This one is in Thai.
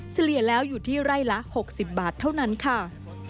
เฉลี่ยแล้วอยู่ที่ไร่ละ๖๐บาทเท่านั้นค่ะ